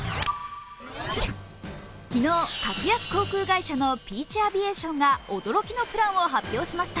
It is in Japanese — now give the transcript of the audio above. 昨日、格安航空会社のピーチ・アビエーションが驚きのプランを発表しました。